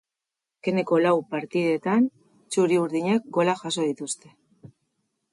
Azkeneko lau partidetan txuri-urdinek golak jaso dituzte.